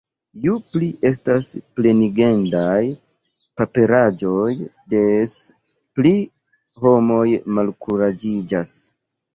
Ju pli estas plenigendaj paperaĵoj, des pli homoj malkuraĝiĝas.